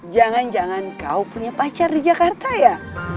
jangan jangan kau punya pacar di jakarta ya